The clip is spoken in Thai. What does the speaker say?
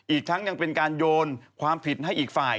อีกทั้งยังเป็นการโยนความผิดให้อีกฝ่าย